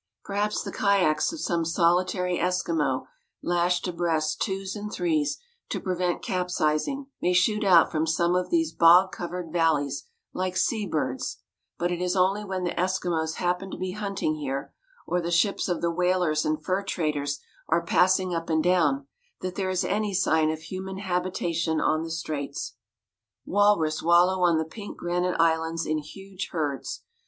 Perhaps the kyacks of some solitary Eskimo, lashed abreast twos and threes to prevent capsizing, may shoot out from some of these bog covered valleys like sea birds; but it is only when the Eskimos happen to be hunting here, or the ships of the whalers and fur traders are passing up and down that there is any sign of human habitation on the straits. Walrus wallow on the pink granite islands in huge herds.